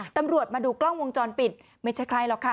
ตำรวจมาดูกล้องวงจรปิดไม่ใช่ใครหรอกค่ะ